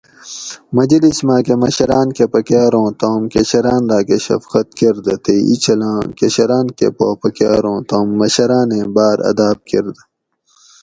مجلس ماۤکہ مشراۤن کہ پکاۤر اُوں تم کشران راۤکہ شفقت کۤردہ تے اینچھلاں کشران کہ پا پکاۤر اُوں تم مشرانیں باۤر اداب کۤردہ